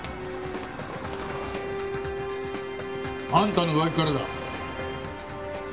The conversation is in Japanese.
あんたの上着からだ。